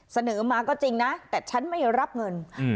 เสนอมาก็จริงนะแต่ฉันไม่รับเงิน